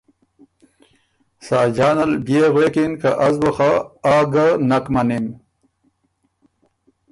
ساجان ال بيې غوېکِن که از بُو خه آ ګه نک مَنِم۔